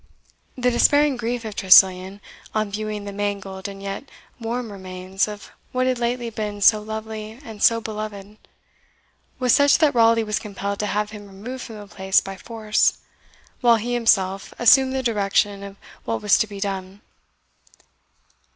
The despairing grief of Tressilian, on viewing the mangled and yet warm remains of what had lately been so lovely and so beloved, was such that Raleigh was compelled to have him removed from the place by force, while he himself assumed the direction of what was to be done.